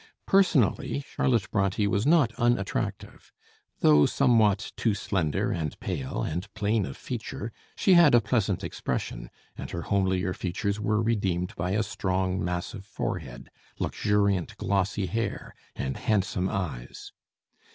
Personally Charlotte Bronté was not unattractive. Though somewhat too slender and pale, and plain of feature, she had a pleasant expression, and her homelier features were redeemed by a strong massive forehead, luxuriant glossy hair, and handsome eyes.